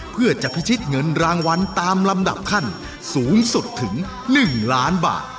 เพื่อจะพิชิตเงินรางวัลตามลำดับขั้นสูงสุดถึง๑ล้านบาท